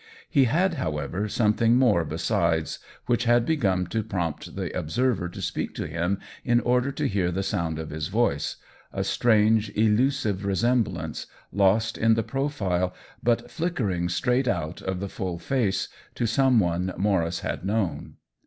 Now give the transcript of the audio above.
He had, however, something more besides, which had begun k THE WHEEL OF TIME 43 to prompt this observer to speak to him in order to hear the sound of his voice — a strange, elusive resemblance, lost in the pro file, but flickering straight out of the full face, to some one Maurice had known.